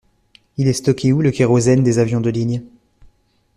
Il est stocké où le kérosène des avions de ligne?